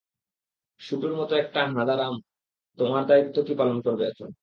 শুটুর মত একটা হাঁদারাম কি তোমার দায়িত্ব পালন করবে এখন?